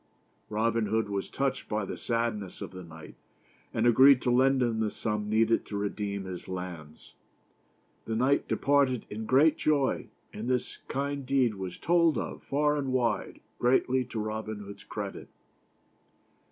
Robin Hood was touched by the sadness of the knight, and agreed to lend him the sum needed to redeem his lands. The knight departed in great joy, and this kind deed was told of, far and wide, greatly to Robin Hood's credit.